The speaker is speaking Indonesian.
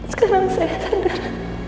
sekarang saya sadar